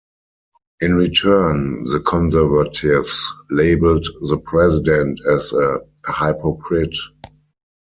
In return, the conservatives labelled the President as a "hypocrite".